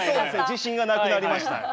自信がなくなりました。